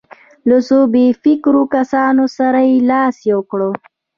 له څو بې فکرو کسانو سره یې لاس یو کړ.